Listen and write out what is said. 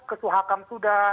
ke suhakam sudah